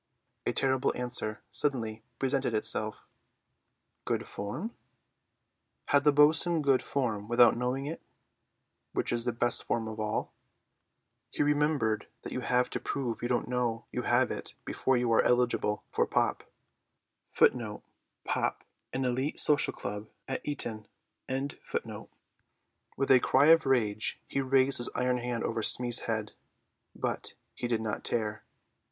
A terrible answer suddenly presented itself—"Good form?" Had the bo'sun good form without knowing it, which is the best form of all? He remembered that you have to prove you don't know you have it before you are eligible for Pop. With a cry of rage he raised his iron hand over Smee's head; but he did not tear.